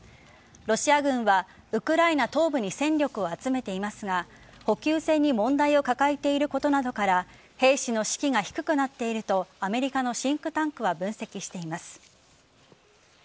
ロシア軍はウクライナ東部に戦力を集めていますが補給線に問題を抱えていることなどから兵士の士気が低くなっているとアメリカのシンクタンクは分析しています。